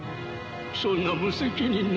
そんな無責任な。